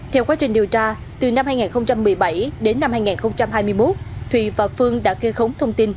theo quá trình điều tra từ năm hai nghìn một mươi bảy đến năm hai nghìn hai mươi một thùy và phương đã kê khống thông tin